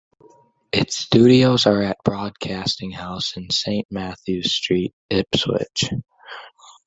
Its studios are at Broadcasting House in Saint Matthews Street, Ipswich.